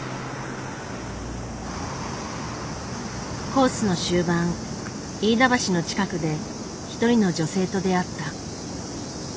コースの終盤飯田橋の近くで一人の女性と出会った。